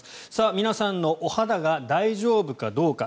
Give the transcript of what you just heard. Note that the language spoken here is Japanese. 皆さんのお肌が大丈夫かどうか。